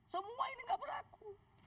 semua ini nggak berlaku